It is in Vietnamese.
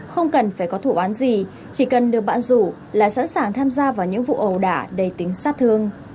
không cần phải có thủ án gì chỉ cần được bạn rủ là sẵn sàng tham gia vào những vụ ẩu đả đầy tính sát thương